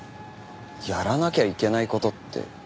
やらなきゃいけない事って。